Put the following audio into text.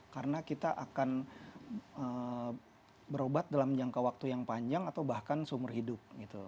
karena kita akan berobat dalam jangka waktu yang panjang atau bahkan seumur hidup